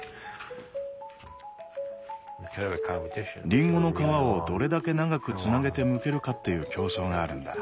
リンゴの皮をどれだけ長くつなげてむけるかっていう競争があるんだ。